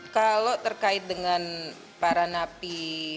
kalau terkait dengan para napi